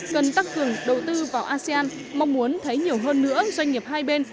cần tăng cường đầu tư vào asean mong muốn thấy nhiều hơn nữa doanh nghiệp hai bên